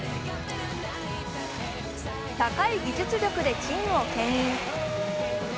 高い技術力でチームをけん引。